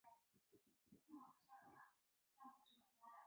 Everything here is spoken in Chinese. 原子的大小与影响物质的许多性质。